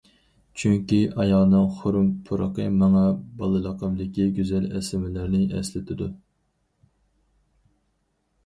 چۈنكى ئاياغنىڭ خۇرۇم پۇرىقى ماڭا بالىلىقىمدىكى گۈزەل ئەسلىمىلەرنى ئەسلىتىدۇ.